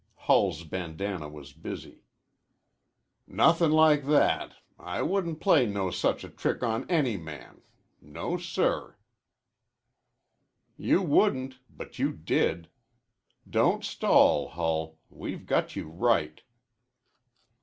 Hull's bandanna was busy. "Nothin' like that. I wouldn't play no such a trick on any man. No, sir." "You wouldn't, but you did. Don't stall, Hull. We've got you right."